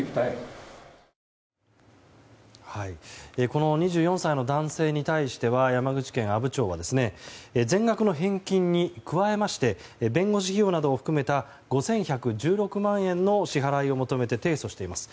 この２４歳の男性に対しては山口県阿武町は全額の返金に加えまして弁護士費用などを含めた５１１６万円の支払いを求めて提訴しています。